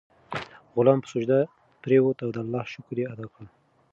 غلام په سجده پریووت او د الله شکر یې ادا کړ.